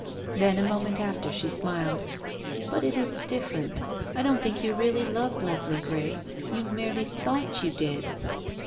Then a moment after she smiled. "But it is different. I don't think you really loved Leslie Grey. You merely thought you did."